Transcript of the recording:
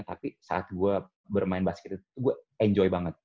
tapi saat gue bermain basket itu gue enjoy banget